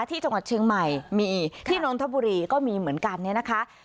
ที่จังหวัดเชียงใหม่มีที่นนทบุรีก็มีเหมือนกันเนี่ยนะคะ